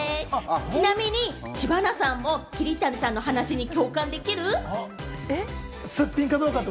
ちなみに知花さんも桐谷さんの話にえっ？